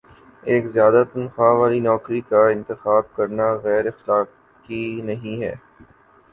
ایک زیادہ تنخواہ والی نوکری کا انتخاب کرنا غیراخلاقی نہیں ہے